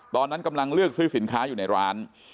ตอนนั้นกำลังเลือกซื้อสินค้าอยู่ในร้าน